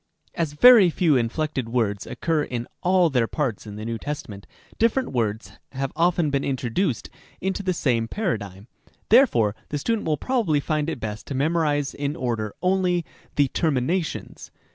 As very few inflected words occur in all their parts in the New Testament, different words have often been introduced into the same paradigm ; therefore the student will probably find it best to memorize in order only the terminations.